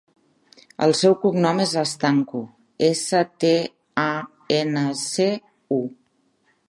El seu cognom és Stancu: essa, te, a, ena, ce, u.